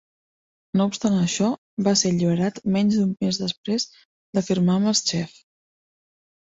No obstant això, va ser alliberat menys d'un mes després de firmar amb els Chiefs.